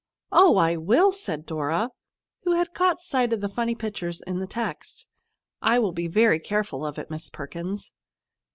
"Oh, I will!" said Dora, who had caught sight of the funny pictures in the text. "I will be very careful of it, Miss Perkins."